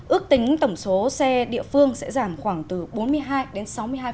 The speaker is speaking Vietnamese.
ước tính tổng số xe địa phương sẽ giảm khoảng từ bốn mươi hai đến sáu mươi hai